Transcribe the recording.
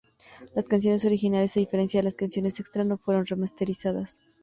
Las canciones originales, a diferencia de las canciones extra, no fueron remasterizadas.